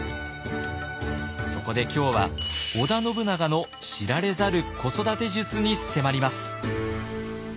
そこで今日は織田信長の知られざる子育て術に迫ります。